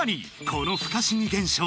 この不可思議現象